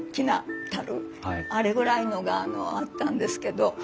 あれぐらいのがあったんですけど。